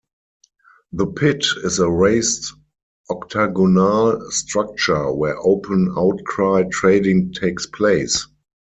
The pit is a raised octagonal structure where open-outcry trading takes place.